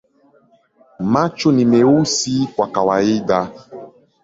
Macho ni meusi kwa kawaida.